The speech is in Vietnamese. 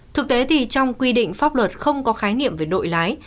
thực tế thì trong quy định pháp luật không có khái niệm về đội lái